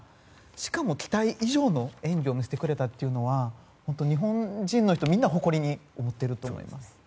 しかも期待以上の演技を見せてくれたというのは本当に、日本人の人みんな誇りに思っていると思います。